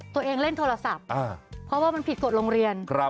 เล่นโทรศัพท์เพราะว่ามันผิดกฎโรงเรียน